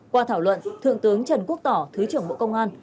qua thảo luận thượng tướng trần quốc tỏ thứ trưởng bộ công an